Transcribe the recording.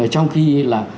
trong khi là